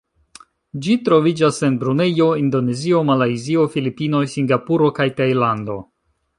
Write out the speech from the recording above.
Ĝi troviĝas en Brunejo, Indonezio, Malajzio, Filipinoj, Singapuro kaj Tajlando.